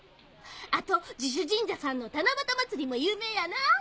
あと地主神社さんの七夕祭も有名やなぁ。